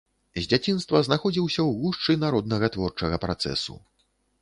З дзяцінства знаходзіўся ў гушчы народнага творчага працэсу.